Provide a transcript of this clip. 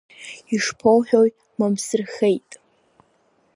Ишԥоуҳәои, Мамсырхеит.